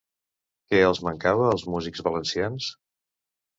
Què els mancava als músics valencians?